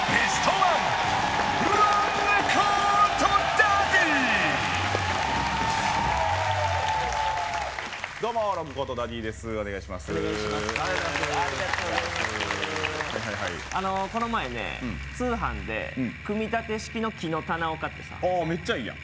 はいはいはいこの前ね通販で組み立て式の木の棚を買ってさああメッチャいいやん